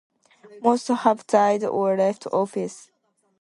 Most have died or left office.